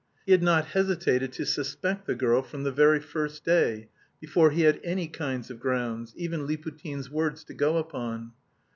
He had not hesitated to suspect the girl from the very first day, before he had any kind of grounds, even Liputin's words, to go upon.